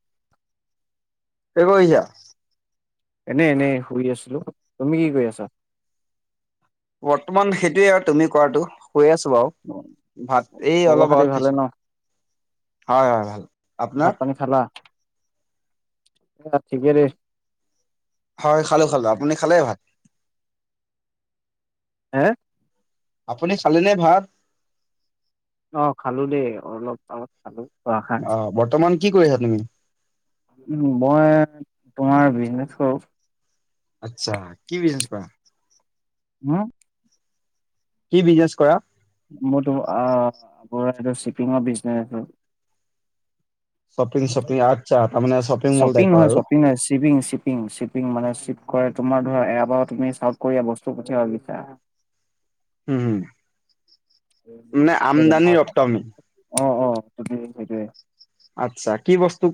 [inaudible] কি কৰিছা? এনে -এনে শুই আছিলোঁ তুমি কি কৰি আছা? বৰ্তমান সেইটোয়ে আৰু তুমি কৰাটো। শুই আছোঁ বাৰু ভাত এই খবৰ অলপ আ খাতি ভালে খাইছোঁ। ন হয়, হয়, ভাল ভাত আপোনাৰ? পানী [unintelligible] হয়, খালোঁ খালোঁ আপুনি খালে ভাত? হা? আপুনি খালে নে ভাত? অ, খালো দেই অলপ ত খালো। অ বৰ্তমান কি কৰি [unintelligible] আছা তুমি? উম, মই তোমাৰ [unintelligible] আচ্ছা, কি বিজনেছ কৰা? হম, কি বিজনেছ কৰা? মোৰ তোমাৰ আ, [unintelligible] শ্বিপিঙৰ বিজনেছ শ্বপিং শ্বপিং আচ্ছা তাৰমানে মল শ্বপিং টাইপৰ নহয় আৰু। -শ্বপিং হয় -শ্বিপিং -শ্বিপিং -শ্বিপিং -মানে কৰে তোমাৰ ধৰা এবাৰ তুমি চাউথ কোৰিয়া বস্তু পঠিয়াবা বিছাৰা হম, মানে আমদানি [unintelligible] অ, অ, সেইটোৱেই, সেইটোৱে। আচ্ছা, কি বস্তু?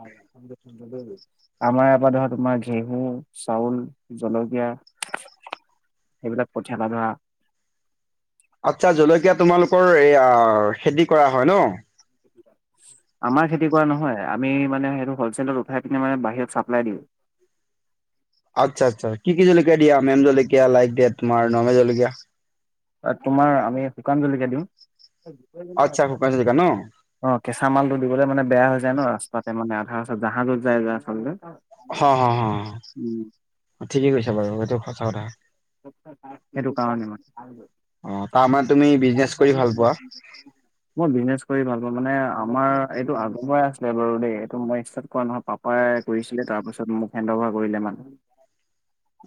আমাৰ ইয়াৰ পৰা ধৰা তোমাৰ ঘেঁহু, চাউল, জলকীয়া [inaudible] সেইবিলাক পঠিয়াবা ধৰা আচ্ছা জলকীয়া তোমালোকৰ এইয়া খেতি কৰা হয় ন'। আমাৰ খেতি কৰা নহয়, আমি মানে সেইটো হলছেলত উঠাই কিনে মানে বাহিৰত চাপ্লাই দিওঁ। [inaudible] আচ্ছা, আচ্ছা, কি কি জলকীয়া দিয়া মেম জলকীয়া, লাইক দে তোমাৰ নমে জলকীয়া তোমাৰ আমি শুকান জলকীয়া দিওঁ। আচ্ছা শুকান জলকীয়া ন? অ কেঁচা মালটো দিবলে মানে বেয়া হৈ যায় ন', ৰাস্তাতে মানে আধা জাহাজত যাই যে আচলতে। হ' হ' উম ঠিকেই কৈছে বাৰু এইটো সঁচা কথা। সেইটোকাৰনে মানে অ তাৰমানে তুমি বিজনেছ কৰি ভাল পোৱা মই বিজনেছ কৰি ভাল পাওঁ মানে আমাৰ এইটো আগৰ পৰাই আছিলে বাৰু দেই এইটো মই ষ্টাৰ্ট কৰা নহয়, পাপাই কৰিছিলে। তাৰপিছত মোক হেণ্ডঅভাৰ কৰিলে মানে।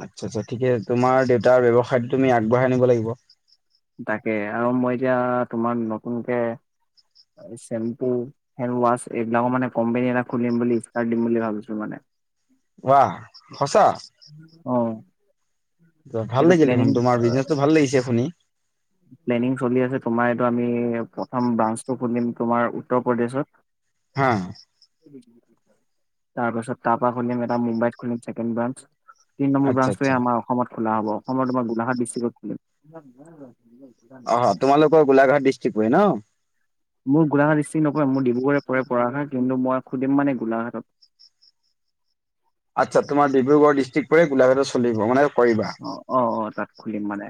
আচ্ছ, আচ্ছা, ঠিকে আছে, তোমাৰ দেউতাৰ ব্যৱসায়টো তুমি আগবঢ়াই নিব লাগিব। তাকে, আৰু মই এতিয়া তোমাৰ নতুনকে চেম্পু, হেণ্ডৱাছ, এইবিলাকৰ মানে কোম্পনী এটা খুলিম বুলি, ষ্টাৰ্ট দিম বুলি ভাবিছো মানে। বাহ সচাঁ। অ ভাল এইটো লাগিল দেখোন, প্লেনিং তোমাৰ বিজনেচটো ভাল লাগিছে শুনি। প্লেনিং চলি আছে, তোমাৰ এইটো আমি প্ৰথম ব্ৰাঞ্চটো খুলিম তোমাৰ উত্তৰ প্ৰদেশত। হা [inaudible] তাৰপাছত তাৰপৰা খুলিম এটা মুম্বাইত খুলিম ছেকেণ্ড ব্ৰাঞ্চ। তিন নম্বৰ আচ্ছা ব্ৰাঞ্চটো আচ্ছা আমাৰ অসমত খোলা হ'ব। অসমত তোমাৰ গোলাঘাট ডিষ্ট্ৰিক্টত খুলিম। অ', তোমালোকৰ গোলাঘাট ডিষ্ট্ৰিক্ট হয় ন'। মোৰ গোলাঘাট ডিষ্ট্ৰিক্ট নপৰে, মোৰ ডিব্ৰুগড় পৰে পৰাশা কিন্তু মই খুলিম মানে গোলাঘাটত। আচ্ছা, তোমাৰ ডিব্ৰুগড় ডিষ্ট্ৰিক্ট পৰে, গোলাঘাটৰ চলিব, মানে কৰিবা অ', অ', অ ', তাত খুলিম মানে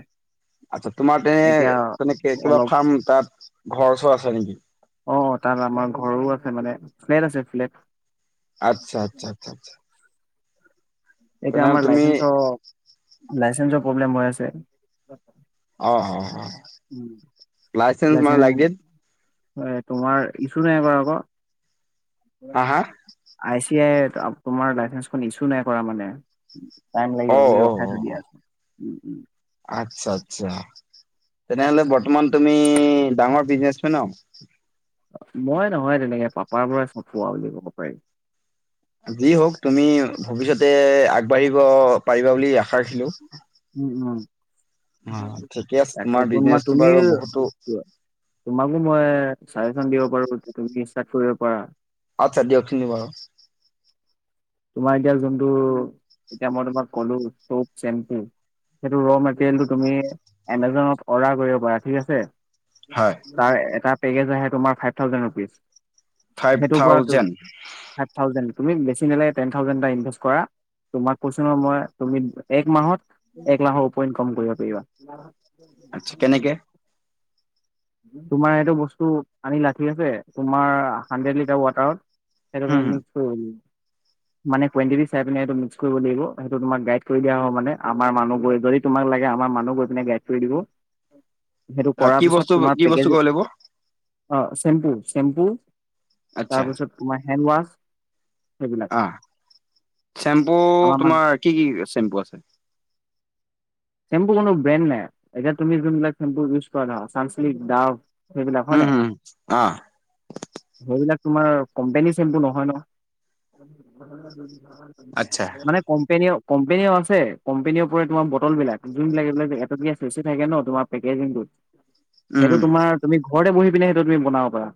আচ্ছা, তোমাৰ তে এতিয়া তেনেকে কিবা অলপ ফাৰ্ম, তাত ঘৰ চৰ আছে নেকি? অ', অ', তাত আমাৰ ঘৰো আছে, মানে ফ্লেট আছে, ফ্লেট। আচ্ছা, আচ্ছা, আচ্ছা, আচ্ছা এতিয়া তেনেহ'লে আমাৰ তুমি লাইচেন্ঞ্চৰ লাইচেন্ঞ্চৰ প্ৰব্লেম হৈ আছে। অ', অ', অ', লাইচেন্স মানে লাগিল তোমাৰ ইছু নাই কৰা আকৌ হা হা এতিয়াই তোমাৰ লাইচেন্সখন ইছু নাই কৰা মানে, টাইম অ লাগিব বুলি অ ৰখাই অ থৈ অ দিয়া আছে। উম উম [inaudible] আচ্ছা আচ্ছা তেনেহলে বৰ্তমান তুমি ডাঙৰ বিজনেচমেন আৰু মই নহয় তেনেকে পাপাৰ পৰাই সব পোৱা বুলি ক'ব পাৰি। যি হওঁক তুমি ভৱিষ্যতে আগবাঢ়িব পাৰিবা বুলি আশা ৰাখিলো। উম, উম। অ ঠিকে আছে তাকে তোমাৰ বিজনেচটো তুমি বাৰু বহুতো তোমাকো মই চাজেশন দিব পাৰো যে তুমি ষ্টাৰ্ট কৰিব পাৰা। আচ্ছা, দিয়ক সুন বাৰু তোমাৰ এতিয়া যোনটো এতিয়া মই তোমাক ক'লো চ'প, চেম্পু সেইটো ৰ' মেটেৰিয়েলটো তুমি এমাজনত অৰ্ডাৰ কৰিব পাৰা ঠিক আছে। হয় তাৰ এটা পেকেজ আহে তোমাৰ ফাইভ থাউজেণ্ড ৰুপিজ। ফাইভ সেইটো পৰাটো থাউজেণ্ড ফাইভ থাউজেণ্ড তুমি বেছি নালাগে টেন থাউজেণ্ড এটা ইনভেষ্ট কৰা, তোমাক কৈছো ন' মই তুমি এক মাহত এক লাখৰ ওপৰত ইনকম কৰিব পাৰিবা। আচ্ছা কেনেকে তোমাৰ এইটো বস্তু আনিলা ঠিক আছে, তোমাৰ হান্দ্ৰেদ লিটাৰ ৱাটাৰত এ হুম ম হুম মুন [unintelligible] [inaudible] মানে কোৱান্তীতী চাই পিনে সেইটো মিক্স কৰিব লাগিব সেইটো তোমাক গাইড কৰি দিয় হব মানে আমাৰ মানুহ গৈ যদি তোমাক লাগে মানুহ গৈ পিনে গাইড কৰি দিব। [inaudible] সেইটো কৰাৰ কি পিছত বস্তু তোমাৰ কি বস্তু পেকেজ ক'ব লাগিব। অ, চেম্পু, চেম্পু আচ্ছা তাৰপিছত তোমাৰ হেণ্ড ৱাচ অ, চেম্পু আমাৰ মানে তোমাৰ কি, কি চেম্পু আছে? চেম্পু কোনো ব্ৰেণ্ড নাই। এতিয়া তুমি যোনবিলাক চেম্পু ইউজ কৰা ধৰা সংসিলিক, দাৱ সেইবিলাক হয় উম নাই হুম অ সেইবিলাক তোমাৰ কোম্পানীৰ চেম্পটো নহয় ন আচ্ছা মানে কম্পেনী, কম্পেনীও আছে, কোম্পেনীৰ ওপৰে তোমাৰ বটল বিলাক যোনবিলাক এইবিলাক এটকীয়া থাকে ন, তোমাৰ পেকেজিংটোত সেইটো উম তোমাৰ তুমি ঘৰতে বহি পিনে সেইটো তুমি বনাব পাৰা।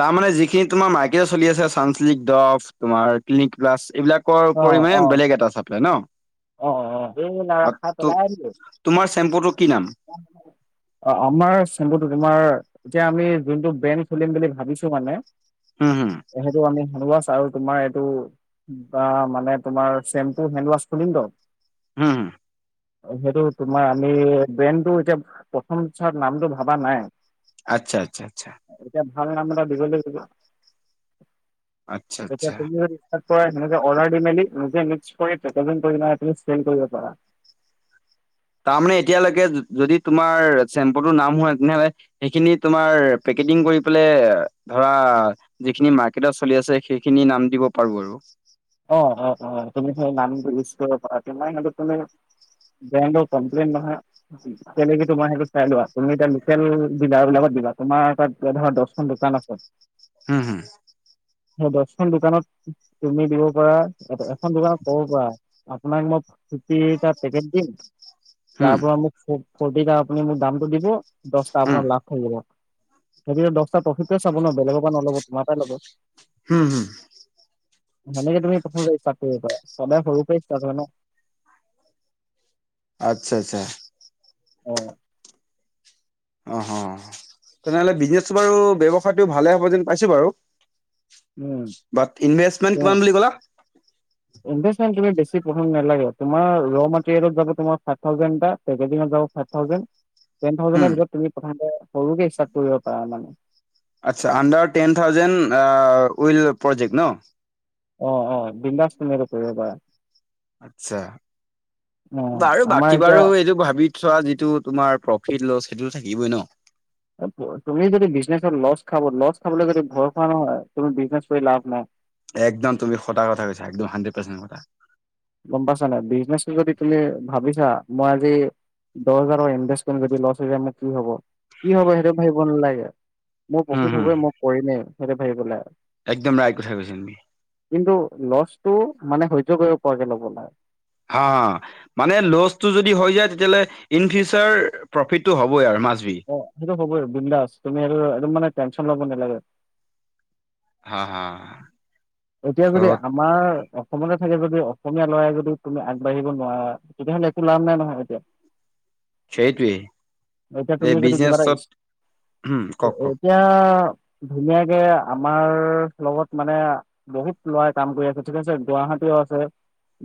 তাৰমানানে যিখিনি তোমাৰ মাৰ্কেটে চলি আছে চান্লিক, ডৱ তোমাৰ ক্লিনিক প্লাছ এইবিলাক অ পৰিমাণে বেলেগ এটা ছাপ্লাই ন অ', অ', অ', এই ন অ ত খাটেল তোমাৰ চেম্পুটো কি নাম? [unintelligible] অ, আমাৰ চেম্প্লটো তোমাৰ এতিয়া আমি যোনটো বেন খুলিম বুলি ভাবিছো মানে হুম, হুম, সেইটো আমি হেনডৱাছ আৰু তোমাৰ এইটো মানে তোমাৰ চেম্পু হেনডৱাছ খুলিম। হুম। সেইটো তোমাৰ আমি ব্ৰেণ্ডটো এতিয়া প্ৰথম চাৰ নামটো ভবা নাই। আচ্ছা, আচ্ছা, আচ্ছা। এতিয়া নাম এটা দিব লিব আচ্ছা, আচ্ছা। এতিয়াম নেকে অৰ্ডাৰ দি মেলি নিজে ম্ কৰি [unintelligible] কৰি পাৰা। তাৰমানানে এতিয়ালৈকে যদি তোমাৰ চেম্পুটো নাম হয় তেনেহলে সেইখিনি তোমাৰ ধৰা যিখিনি মাৰ্ত চলি আছে, সেইখিনি নাম দিব পাৰো আৰু। অ', অ', অ', তুমি সেই নাম লিষ্ট কৰিব পাৰা সেইটো তুমি। যে, কমপ্লেইন নহয় তেলেকে তোমাৰ সেইটো চাই লোৱা তুমি এতিয়া লোকেল ডিলাৰ বিলাকত দিবা তোমাৰ তাত ধৰ দহ ম দোকান আছে। হম, হম। সেই দহখন দোকানত তুমি দিব পাৰা এ, এখন দোকানত। ক, পৰা আপোনাক মই ফ্তিকে দিম তাৰ হুম, পৰা মোক ফৰটিটা আপুনি ম, দামটো দিব দটা আপোনাৰ হুম, লাভ থাকিব। সেইটো দহটা প্ৰফিটে চাব ন, বেলেগৰ পৰা নলব তোমাৰ পৰাই ল'ব। হম, হম। সেনেকে তুমি প্ৰথম ষ্টাৰ্ট কৰিবা সদায় সৰুৰ পৰাই ষ্টাৰ্ট হয় ন। আচ্ছা, আচ্ছা। অ'। অ, তেনেহ'লে বিজনেচটো বাৰু ব্যৱসায়টো ভালে হ'ব যেন পাইছো বাৰু। উম বাট ইনভেষ্টমেণ্ট কিমান বুলি ক'লা? নভে বেছম নালাগে তমাৰ মেলত যাবাৰে যাব। হুম, কৰিবাৰা মানে। আচ্ছা under ten thousand will project ন। অ', অ', বিন্দাস ম কৰিব পাৰা। আত্ছা অ বাৰু আমাৰ বাকী এতিয়া বাৰু এইটো ভাবি চোৱা যিটো তোমাৰ প্ৰফিট লছ সেইটো থাকিবই ন। তুমি যদি বিজনেচত লছ খাব লছ খাবলৈ যদি ভয় খোৱা নহয়। তুমি বিজনেছ কৰি লাভ নাই। একদম তুমি সঁচা কথা কৈছা একদম হাড্ৰেড পাৰ্চেট সঁচা। গম পাইছা নাই, বিজনেছ যদি তুমি ভাবিছা মই আজি দহ হাজাৰৰ ইনভেষ্ট কৰিম যদি লছ হৈ যায় মোৰ কি হ'ব। কি হ'ব সেইটো ভাবিব নালাগে। মোৰ হুম প্ৰফিট হুম হ'বই মই কৰিমেই, সিহঁতে ভাবিব লাগে। একদম ৰাইট কথা কৈছা তুমি। কিন্তু লছটো মানে সহ্য কৰিব পৰাকে ল'ব লাগে। হা মানে ল'চটো যদি হৈ যায় তেতিয়াহ'লে ইন ফিউচাৰ প্ৰফিটটো হ'বই আৰু ম অ সেইটো হ'বই আৰু বিনদাস তুমি এই-এইটো মানে টেনচন লব নালাগে। হা হা। ত এতিয়া যদি আমাৰ অসমতে থাকে যদি অসমীয়া ল'ৰাই যদি তুমি আগবাঢ়িব নোৱাৰা, তেতিয়াহ'লে একো লাভ নাই নহয় এতিয়া সেইটোৱেই। এতিয়া তুমি যদি কিবাটা ইচ, হুম কওক কওক এতিয়া ধুনীয়াকে আমাৰ [unintelligible] মানে বহুত ল'ৰাই কাম কৰি আছে ঠিক আছে, গুৱাহাটীও আছে,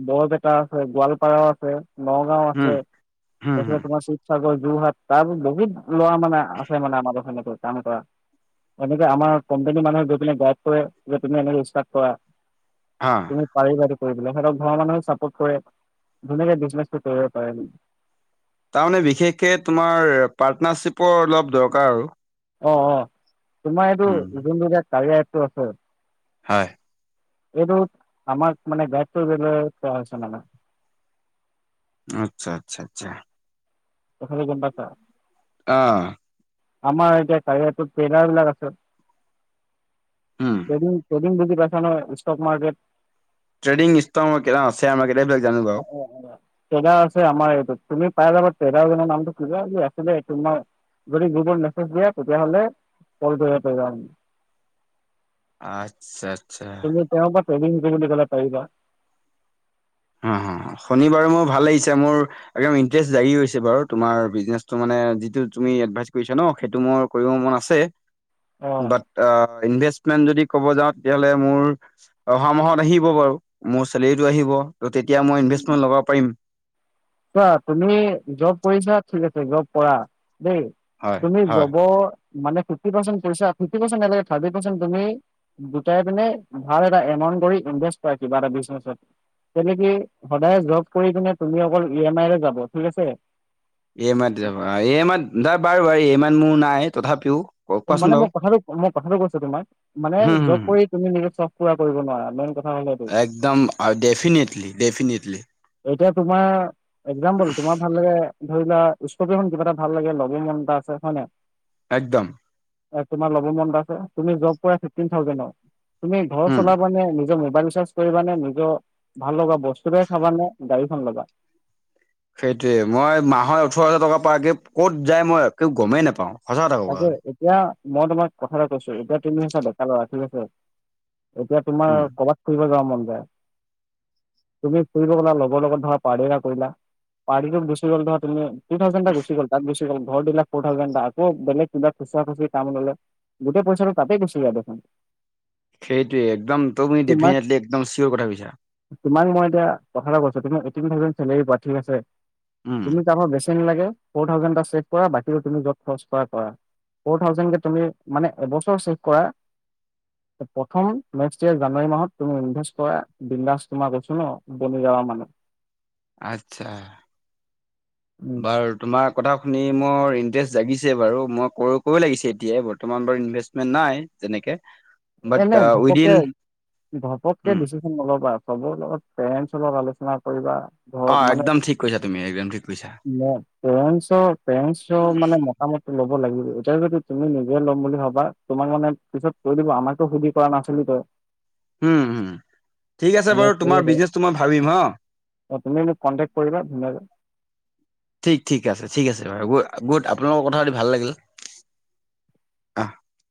বৰপেটাও আছে, গোৱালপাৰাও আছে, নগাঁও আছে হুম হুম এফালে হুম তোমাৰ শিৱসাগৰ যোৰহাট তাৰপাছত বহুত ল'ৰা মানে আছে মানে আমাৰ [unintelligible] কাম এ কৰা। এনেকে আমাৰ কম্পানী মানুহে গৈ পিনে কৰে যে তুমি এনেকৈ ষ্টাৰ্ট কোৰা, হা তুমি পাৰিবাৰ সিহঁতক ঘৰৰ মানুহো চাপোৰ্ট কৰে, ধুনীয়াকে বিজনেটো কৰিব পাৰে। তাৰমানে বিশেষকে তোমাৰ পাৰ্টনাৰশ্বিপৰ অলপ দৰকাৰ আৰু। অ অ তোমাৰ উম এইটো [unintelligible] টো আছে হয়। এইটো আমাক মানে [unintelligible] মানে। আচ্ছা আচ্ছা আচ্ছা। কথাটো গম পাইছ? অ। আমাৰ এতিয়া [unintelligible] ট্ৰেইলাৰ বিলাক আছে। উম ট্ৰেডং ট্ৰেডং বুজি পাইছা নহয়, stock market. Trading ইষ্টন [unintelligible] share market এইবিলাক জানো বাৰু [unintelligible] আছে আমাৰ এইটো, তুমি পাই যাবা। ট্ৰেডাৰ জনৰ নামটো [unintelligible] যদি গ্ৰুপ মেজ দিয়া তেতিয়া হ'লে কল কৰিব পাৰিবা। আচ্ছা আচ্ছা তুমি তেওঁৰ পৰা ট্ৰেডিং বুলি কলা পাৰিবা অ শনিবাৰে মোৰ ভাল লাগিছে, মোৰ একদম ইন্টাৰেষ্ট জাগি গৈছে বাৰু তোমাৰ বিজনেটো মানে যিটো তুমি এডভাইচ কৰিছ ন হেইতু মোৰ কৰিব মন আছে। অ বাত ইনভেছ যদি কব যাওঁ তেতিয়াহ'লে মোৰ অহা মাহত আহিব বাৰু মোৰ চেলেৰিটো আহিব। ত' তেতিয়া মই ইনভেষ্টমেণ্ট লগাব পাৰিম। চোৱা তুমি জব কৰিছা ঠিক আছে, জব কৰা। দেই। হয় তুমি হয় জনৰ মানে ফিফটি পাৰ্চেন্ত পইচা, ফিফটি পাৰ্চেন্ত নেলাগে থাৰ্টি তুমি গোটাই পিনে ভাল এটা এমাউণ্ট কৰি ইনভেষ্ট কৰে কিবা এটা বিজনেছত। তেনেকি সদায় জব কৰি কিনে তুমি অকল ই এম আই যাব ঠিক আছে, ইএমাইত যাব। এমাইত দ বাৰু বাৰ এমাইত মোৰ নাই তথাপিও ক কোৱাচোন মানে বাৰু মই কথাটো, মই কথাটো কৈছো তোমাক, মানে হুম জব হুম কৰি তুমি নিজ পুৰা কৰিব নোৱাৰা মেইন কথা। হ'ল সেইটো একদম ডেফিনেটলি ডেফিনেটলি এতিয়া তোমাৰ একজাম্পল তোমাৰ ভাল লাগে ধৰিলা ষ্টকি কিবা এটা ভাল লাগে লব মন তাৰ আছে হয়নে একদম তমাৰ লব মন আছে তুমি জব কৰা ফিফটিন থাউজেণ্ড তুমি ঘৰ হুম চলাবা নিজৰ মবল চাৰ্জ কৰিব নে নিজৰ ভাল লগা বস্তুব নালা সেইটোৱে মই মাহৰ ওঠৰ হাজাৰ টকা প ক'ত যায় মই গমেই নোপাওঁ তাকে এতিয়া মই তোমাক কথা এটা কৈছো এতিয়া তুমিছা বেকা ল'ৰা ঠিক আছে এতিয়া তোমাৰ উম, কৰবাত ফুৰিব যাও মন যায় তুমি ফুৰিব গলা লগৰ লগত ধৰা পাৰ্টি এটা কৰিলা পাৰ্টিটোক গুচি গ'লে ধৰা তুমি থাে গু গ' তাত গ ঘৰাক ফ থে বেলেগ কিবা খুচুৰা খুচি কাম ললে গোটেই পইচাটো তাতেই গুচি যায় দেখোন সেইটোৱে একদম তোৰপু তোমাক ডেফিনেটলি একদম চিয়'ৰ কথা কৈছা তোমাক মই এতিয়া কথ কৈছো তুমি ঐতিন থাউজেণ্ড চেলাৰি পোৱা ঠিক উম। আছেুমি কৰা তুি [unintelligible] প্ৰথম নেক্স ইয়াৰ জানুৱাৰী মাহত তুমি ইনভেষ্ট কৰা বিন্দাস তোমাৰ কৈছো ন বন কামান আচ্ছা উম বাৰু তোমাৰ কথা শুনি মোৰ ইন্টাৰেষ্ট জাগিছে বাৰু মই কই লাগিছে এতিয় বৰ্তমান বাৰু ইনভেষ্টমেট নাই যেনেকে এনে ঘপকে ধপককে উম। দিছেচন নলাবা চবৰ লগত পেৰেছৰ লগত আলোচনা কৰিব। অ', একদম ঠিক কৈছা তুমি। একদম ঠিক কৈছা ম পৰনচ পৰনচ মানে মটামট ল ল'ব লাগিব এতিয়া যদি তুমি নিজে ল'ম বুলি ভাবা তোমাক মানে পিছত কৈ দিব আমাক। সুধি কৰা নাছিলি তই। হম, হম ঠিক আছে বাৰু সেনেকে কৰিব তোমাৰ পাৰে বিজনেচটো মই ভাবিম হা। অ', তুমি মোক কণ্টেক্ট কৰিবা ধুনীয়াকে। ঠিক, ঠিক আছে ঠিক আছে বাৰু গুড আপোনালোকৰ ক কথা পাতি ভাল লাগিল আ'।